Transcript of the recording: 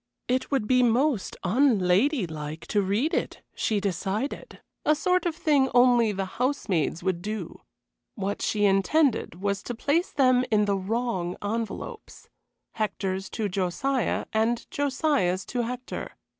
It would be most unladylike to read it, she decided a sort of thing only the housemaids would do. What she intended was to place them in the wrong envelopes Hector's to Josiah, and Josiah's to Hector.